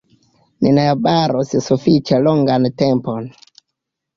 Ni najbaros sufiĉe longan tempon.